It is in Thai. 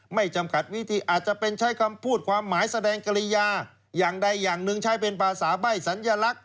ไม่จำกัดวิธีอาจจะเป็นใช้คำพูดความหมายแสดงกริยาอย่างใดอย่างหนึ่งใช้เป็นภาษาใบ้สัญลักษณ